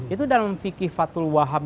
itu dalam fikih fatul wahab